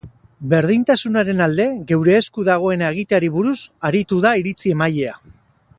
Berdintasunaren alde geure esku dagoena egiteari buruz aritu da iritzi-emailea.